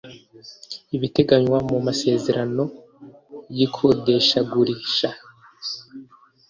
ibiteganywa mu masezerano y ikodeshagurisha